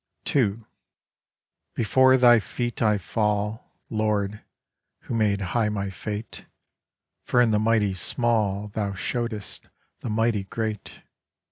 August 21, 1897. II Before Thy feet I fall, Lord, who made high my fate; For in the mighty small Thou showedst the mighty great.